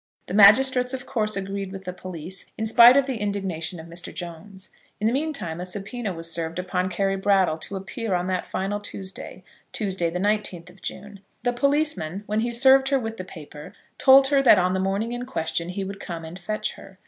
The magistrates of course agreed with the police, in spite of the indignation of Mr. Jones. In the meantime a subpoena was served upon Carry Brattle to appear on that final Tuesday, Tuesday the nineteenth of June. The policeman, when he served her with the paper, told her that on the morning in question he would come and fetch her.